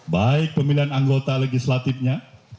baik pemilihan anggota legislatifnya